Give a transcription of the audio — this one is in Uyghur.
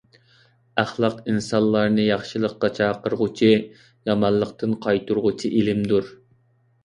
ئەخلاق ئىنسانلارنى ياخشىلىققا چاقىرغۇچى، يامانلىقتىن قايتۇرغۇچى ئىلىمدۇر.